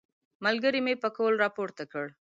ملګري مې پکول راپورته کړ.